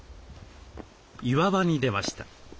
岩場に出ました。